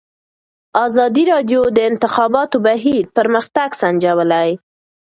ازادي راډیو د د انتخاباتو بهیر پرمختګ سنجولی.